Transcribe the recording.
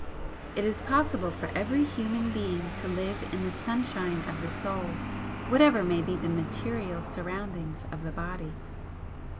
It is possible for every human being to live in the sunshine of the soul whatever may be the material surroundings of the body.